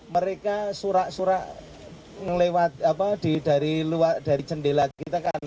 mereka surak surak lewat dari luar dari jendela kita kan